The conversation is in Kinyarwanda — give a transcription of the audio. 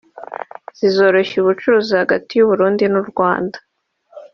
zizoroshya ubucuruzi hagati y’u Burundi n’u Rwanda